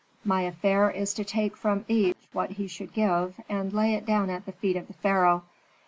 My affair is to take from each what he should give, and lay it down at the feet of the pharaoh.